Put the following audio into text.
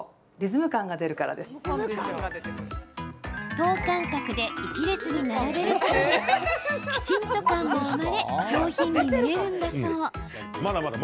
等間隔で１列に並べることできちんと感も生まれ上品に見えるんだそう。